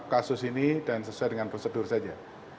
kasus ini dan sesuai dengan prosedur saja